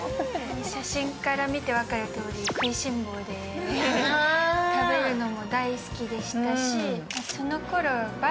写真から見て分かるとおり食いしん坊で食べるのも大好きでしたし。